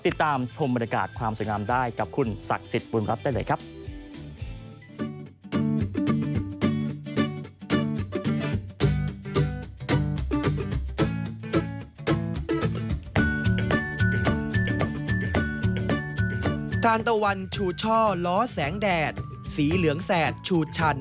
ติดตามชมบรรยากาศความสวยงามได้กับคุณศักดิ์สิทธิ์บุญรัฐได้เลยครับ